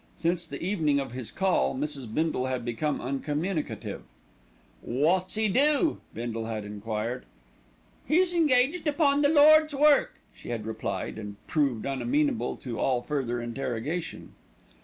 Since the evening of his call, Mrs. Bindle had become uncommunicative. "Wot's 'e do?" Bindle had enquired. "He's engaged upon the Lord's work," she had replied, and proved unamenable to all further interrogation.